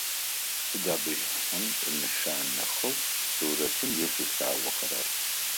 Сыда бжыхьэм инэшанэхэу сурэтым ишъулъагъохэрэр?